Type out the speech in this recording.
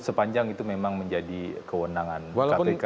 sepanjang itu memang menjadi kewenangan kpk